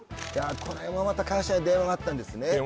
これもまた会社に電話があったんですね